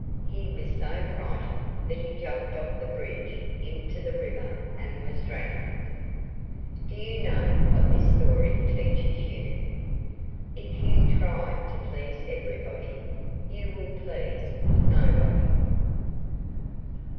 He was so frightened that he jumped off the bridge into the river and was drowned. Do you know what this story teaches you? _If you try to please everybody, you will please nobody.